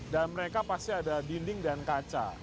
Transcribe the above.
dan mereka pasti ada dinding dan kaca